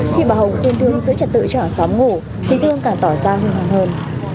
khi bà hồng khuyên thương giữ trật tự cho ở xóm ngủ trí thương cả tỏ ra hơn hơn hơn